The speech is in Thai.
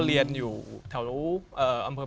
เรียนอยู่แถว